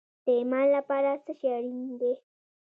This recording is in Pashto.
د ایمان لپاره څه شی اړین دی؟